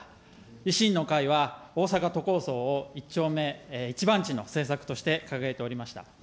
維新の会は、大阪都構想を一丁目一番地の政策として掲げておりました。